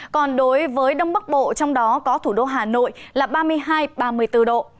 còn đối với đông bắc bộ trong đó có thủ đô hà nội là ba mươi hai ba mươi bốn độ